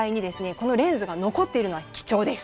このレンズが残っているのは貴重です。